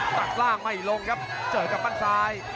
ตัดล่างไม่ลงครับเจอกับปั้นซ้าย